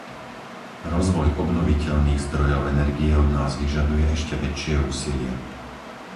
Rozvoj obnoviteľných zdrojov energie od nás vyžaduje ešte väčšie úsilie.